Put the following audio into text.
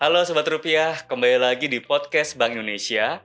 halo sebat rupiah kembali lagi di podcast bank indonesia